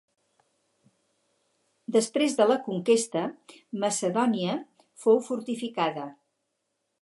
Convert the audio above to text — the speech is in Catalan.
Després de la conquesta macedònia fou fortificada.